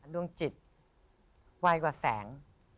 ดวงจิตไวกว่าแสง